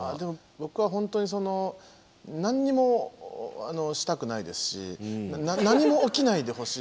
僕は本当にその何にもしたくないですし何も起きないでほしい。